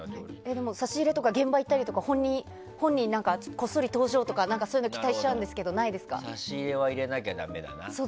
差し入れとか現場行ったりとか、本人がこっそり登場とか、そういうの期待しちゃうんですけど差し入れは入れなきゃダメだな。